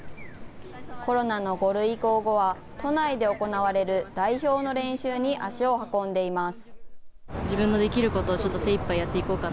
コロナの５類移行後は、都内で行われる代表の練習に足を運んでいます。